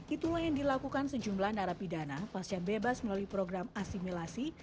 itulah yang dilakukan sejumlah narapidana pasca bebas melalui program asimilasi